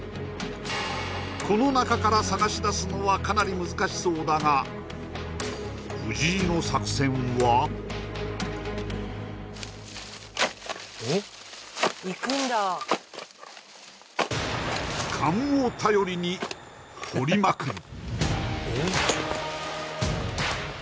この中から探しだすのはかなり難しそうだが藤井の作戦は勘を頼りに掘りまくる